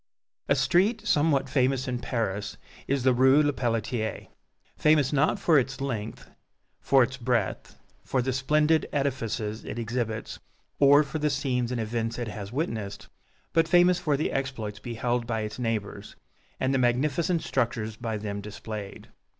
A street somewhat famous in Paris is the Rue Lepelletier, famous not for its length, for its breadth, for the splendid edifices it exhibits, or for the scenes and events it has witnessed, but famous for the exploits beheld by its neighbors, and the magnificent structures by them displayed.